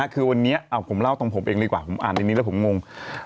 คือวันนี้ผมเล่าตรงผมเองดีกว่าผมอ่านในนี้แล้วผมงง